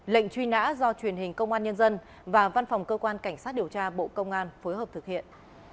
lệnh truy nã do truyền hình công an nhân dân và văn phòng cơ quan cảnh sát điều tra bộ công an phối hợp thực hiện